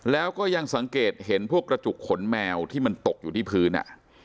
เป็นพวกกระจุกขนแมวที่มันตกอยู่ที่พื้นอะ